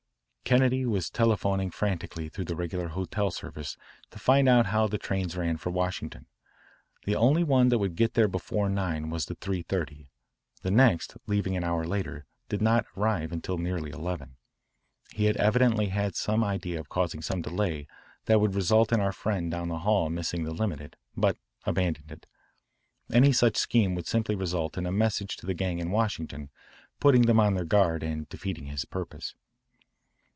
Kennedy was telephoning frantically through the regular hotel service to find out how the trains ran for Washington. The only one that would get there before nine was the three thirty; the next, leaving an hour later, did not arrive until nearly eleven. He had evidently had some idea of causing some delay that would result in our friend down the hall missing the limited, but abandoned it. Any such scheme would simply result in a message to the gang in Washington putting them on their guard and defeating his purpose.